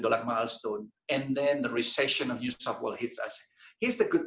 dan kemudian resesi new south wales mengejar kita